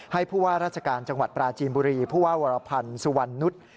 ผู้ว่าราชการจังหวัดปราจีนบุรีผู้ว่าวรพันธ์สุวรรณนุษย์